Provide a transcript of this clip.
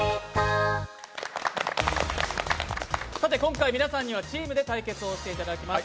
今回、皆さんにはチームで対決していただきます。